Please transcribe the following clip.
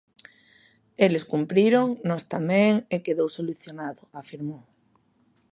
Eles cumpriron, nós tamén, e quedou solucionado, afirmou.